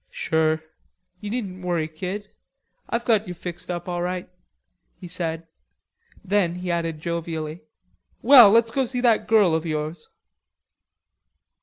"Sure; you needn't worry, kid. I've got you fixed up all right," he said; then he added jovially, "Well, let's go see that girl of yours."